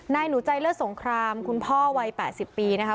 หนูใจเลิศสงครามคุณพ่อวัย๘๐ปีนะคะ